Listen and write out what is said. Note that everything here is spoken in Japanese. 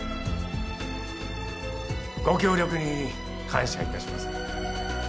ご協力に感謝いたします。